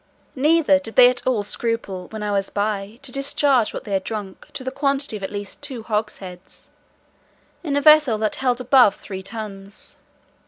Neither did they at all scruple, while I was by, to discharge what they had drank, to the quantity of at least two hogsheads, in a vessel that held above three tuns.